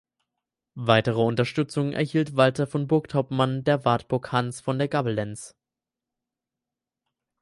Weitere Unterstützung erhielt Walther vom Burghauptmann der Wartburg Hans von der Gabelentz.